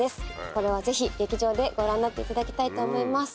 これはぜひ劇場でご覧になっていただきたいと思います。